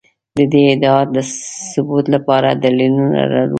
د دې ادعا د ثبوت لپاره دلیلونه لرو.